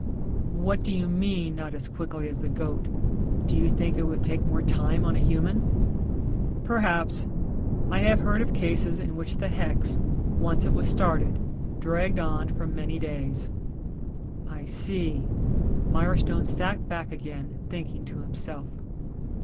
"What do you mean not as quickly as the goat do you think it would take more time on a human?" "Perhaps. I have heard of cases in which the hex, once it was started, dragged on for many days." "I see." Mirestone sat back again thinking to himself.